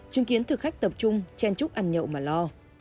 chứng kiến thực khách tập trung chen chúc ăn nhậu mà lo